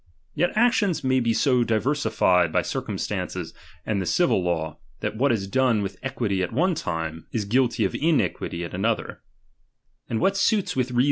Yet actions may be so diversified by cir cumstances and the civil law, that what is done with equity at one time, is guilty of iniquity at another ; and what suits with reason at one time.